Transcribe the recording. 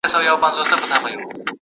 ته خپله شتمني چیرته مصرفوې؟